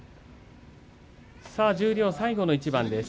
さあ十両最後の一番です。